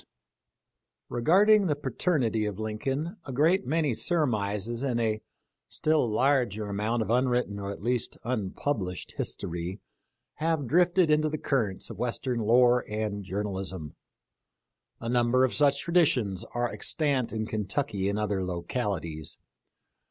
t Regarding the paternity of Lincoln a great many surmises and a, still larger amount of unwritten or, at least, unpublished history have drifted into the currents of western lore and journalism. A number of such traditions are extant in Kentucky and other localities.